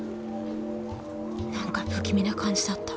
何か不気味な感じだった。